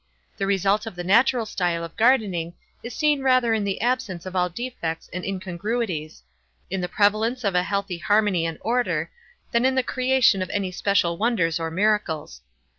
The result of the natural style of gardening, is seen rather in the absence of all defects and incongruities—in the prevalence of a healthy harmony and order—than in the creation of any special wonders or miracles.